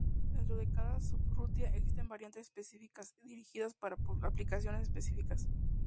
Dentro de cada subrutina existen variantes específicas, dirigidas para aplicaciones específicas.